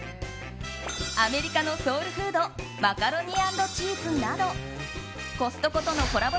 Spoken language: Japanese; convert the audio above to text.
アメリカのソウルフードマカロニ＆チーズなどコストコとのコラボ